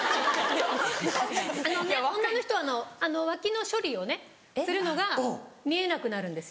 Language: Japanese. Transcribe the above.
あのね女の人脇の処理をするのが見えなくなるんですよ。